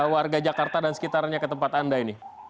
warga jakarta dan sekitarnya ke tempat anda ini